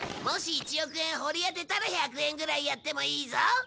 もし１億円掘り当てたら１００円ぐらいやってもいいぞ。